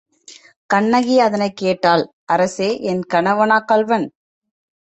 கண்ணகி அதனைக் கேட்டாள் அரசே, என் கணவனா கள்வன்?